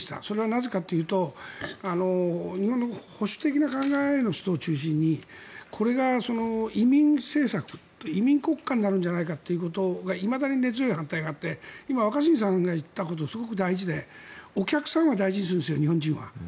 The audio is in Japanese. それはなぜかというと日本の保守的な考えの人を中心にこれが移民政策、移民国家になるんじゃないかということがいまだに根強い反対があって今、若新さんが言ったことはすごく大事でお客さんは大事にするんですよ日本人は。